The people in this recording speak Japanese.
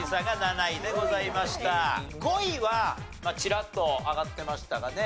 ５位はチラッと挙がってましたかね。